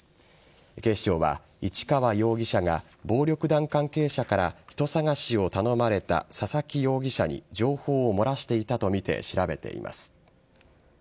警視庁は、市川容疑者が、暴力団関係者から人捜しを頼まれた佐々木容疑者に情報を漏らしていたと見て、調べています。